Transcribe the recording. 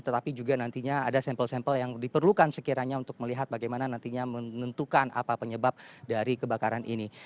tetapi juga nantinya ada sampel sampel yang diperlukan sekiranya untuk melihat bagaimana nantinya menentukan apa penyebab dari kebakaran ini